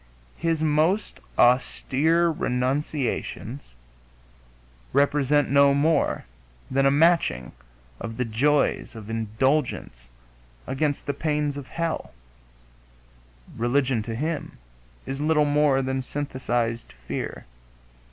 His most austere renunciations represent no more than a matching of the joys of indulgence against the pains of hell; religion, to him, is little more than synthesized fear....